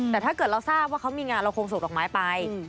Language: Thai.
แต่ถ้าเกิดเราทราบว่าเขามีงานเราคงสูบดอกไม้ไป